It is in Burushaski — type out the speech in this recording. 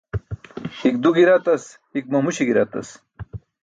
Hik du gi̇ratas, hik mamuśi̇ gi̇ratas.